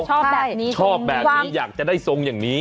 ชอบแบบนี้ชอบแบบนี้อยากจะได้ทรงอย่างนี้